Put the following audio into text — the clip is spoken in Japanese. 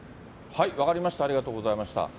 分かりました、ありがとうございました。